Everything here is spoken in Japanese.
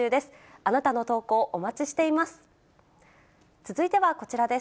あなたの投稿、お待ちしています。